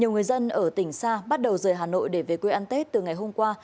nhiều người dân ở tỉnh sa bắt đầu rời hà nội để về quê ăn tết từ ngày hôm qua